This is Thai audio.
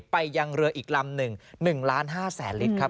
ไปยังเรืออีกลำหนึ่ง๑๕๐๐๐๐๐ลิตรครับ